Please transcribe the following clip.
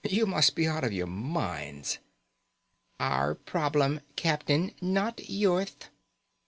You must be out of your minds." "Our problem, captain. Not yourth."